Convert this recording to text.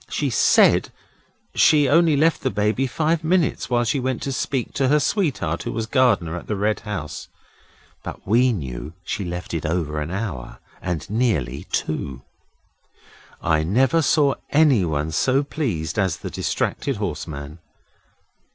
She SAID she only left the Baby five minutes while she went to speak to her sweetheart who was gardener at the Red House. But we knew she left it over an hour, and nearly two. I never saw anyone so pleased as the distracted horseman.